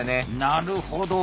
なるほど。